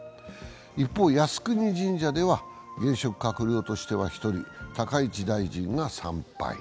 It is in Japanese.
一方、靖国神社では現職閣僚としては１人、高市大臣が参拝。